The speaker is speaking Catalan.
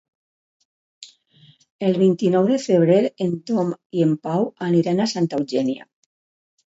El vint-i-nou de febrer en Tom i en Pau aniran a Santa Eugènia.